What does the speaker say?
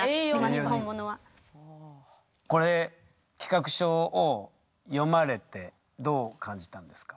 これ企画書を読まれてどう感じたんですか？